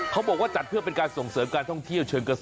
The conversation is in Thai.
เขาบอกว่าจัดเพื่อเป็นการส่งเสริมการท่องเที่ยวเชิงเกษตร